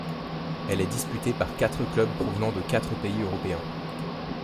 Elle est disputée par quatre clubs provenant de quatre pays européens.